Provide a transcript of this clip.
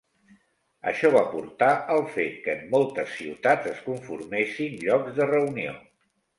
Això va portar al fet que en moltes ciutats es conformessin llocs de reunió.